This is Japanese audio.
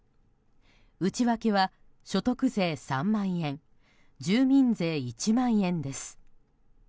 内訳は、所得税３万円住民税１万円です。